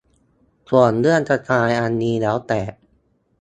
ส่วนเรื่องสไตล์อันนี้แล้วแต่